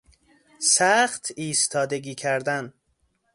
سخت ایستادگی کردن